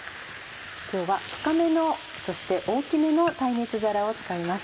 今日は深めのそして大きめの耐熱皿を使います。